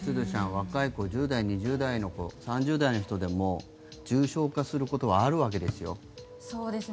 若い１０代、２０代の子３０代の人でも重症化することはあるわけですよ。